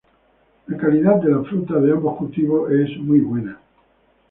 La calidad de la fruta de ambos cultivos es muy buena.